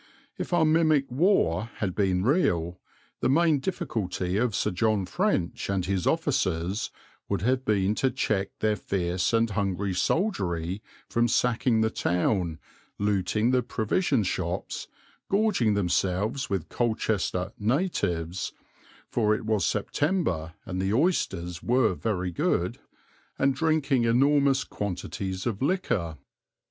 If our mimic war had been real, the main difficulty of Sir John French and his officers would have been to check their fierce and hungry soldiery from sacking the town, looting the provision shops, gorging themselves with Colchester "natives" for it was September and the oysters were very good and drinking enormous quantities of liquor.